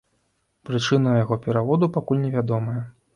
Прычына яго пераводу пакуль невядомая.